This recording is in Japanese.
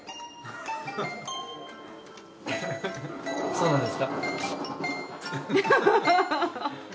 そうなんですか？